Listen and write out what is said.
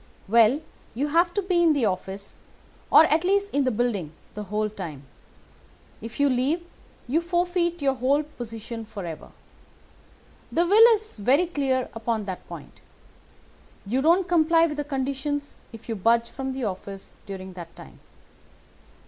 "'Well, you have to be in the office, or at least in the building, the whole time. If you leave, you forfeit your whole position forever. The will is very clear upon that point. You don't comply with the conditions if you budge from the office during that time.